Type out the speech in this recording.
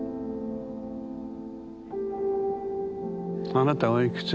あなたおいくつ？